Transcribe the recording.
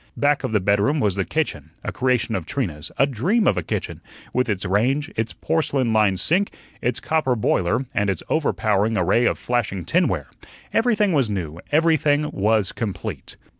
Back of the bedroom was the kitchen, a creation of Trina's, a dream of a kitchen, with its range, its porcelain lined sink, its copper boiler, and its overpowering array of flashing tinware. Everything was new; everything was complete.